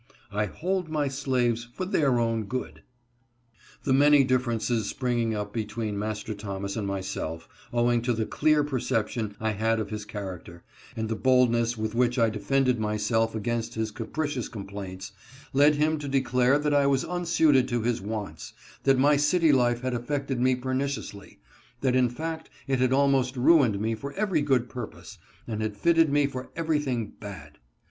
:" I hold my slaves for their own good." The many differences springing up between Master Thomas and myself, owing to the clear perception I had of his character, and the boldness with which I defended myself against his capricious complaints, led him to de clare that I was unsuited to his wants ; that my city life had affected me perniciously ; that in fact it had almost ruined me for every good purpose, and had fitted me for everything bad.